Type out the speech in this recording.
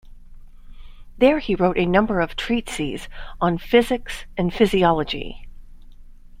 There he wrote a number of treatises on physics and physiology.